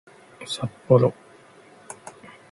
さっぽろ